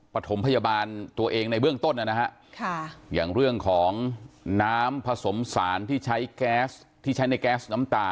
ปฐมพยาบาลตัวเองในเบื้องต้นน่ะนะฮะค่ะอย่างเรื่องของน้ำผสมสารที่ใช้แก๊ส